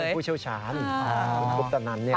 เป็นผู้เชี่ยวช้านทุกตะนั้นเนี่ย